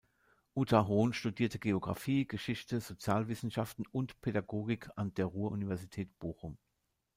Uta Hohn studierte Geographie, Geschichte, Sozialwissenschaften und Pädagogik an der Ruhr-Universität Bochum.